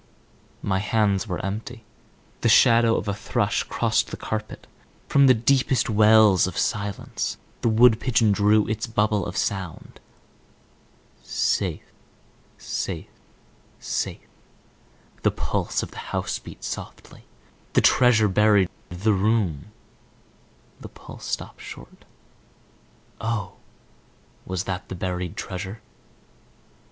My hands were empty. The shadow of a thrush crossed the carpet; from the deepest wells of silence the wood pigeon drew its bubble of sound. "Safe, safe, safe," the pulse of the house beat softly. "The treasure buried; the room…" the pulse stopped short. Oh, was that the buried treasure?